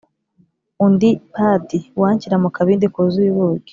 undi padi, ”uwanshyira mu kabindi kuzuye ubuki,